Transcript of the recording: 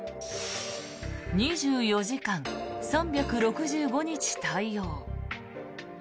２４時間３６５日対応